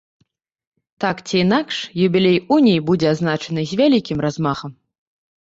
Так ці інакш, юбілей уніі будзе адзначаны з вялікім размахам.